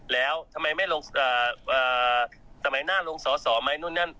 แล้วทำไมไม่ลงสมัยหน้าลงสอสอไหมนู่นนั่น